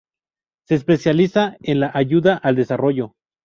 Se especializa en la ayuda al desarrollo.